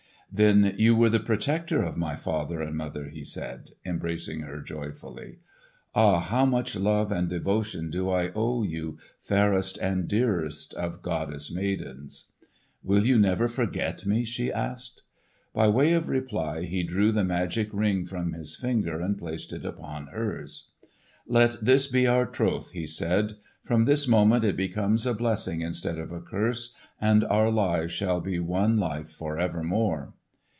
"Then you were the protector of my father and mother!" he said, embracing her joyfully. "Ah, how much love and devotion do I owe you, fairest and dearest of goddess maidens!" "Will you never forget me?" she asked. By way of reply he drew the magic Ring from his finger and placed it upon hers. "Let this be our troth," he said. "From this moment it becomes a blessing instead of a curse, and our lives shall be one life for evermore."